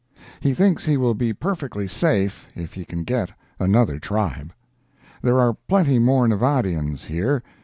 He thinks he will be perfectly safe if he can get another tribe. There are plenty more Nevadians here.